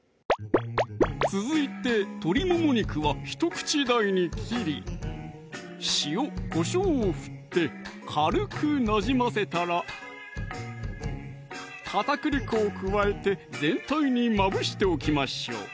続いて鶏もも肉は１口大に切り塩・こしょうを振って軽くなじませたら片栗粉を加えて全体にまぶしておきましょう